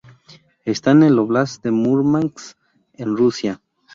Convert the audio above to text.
Está en el Óblast de Múrmansk, en Rusia.